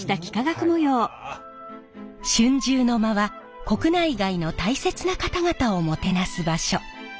春秋の間は国内外の大切な方々をもてなす場所。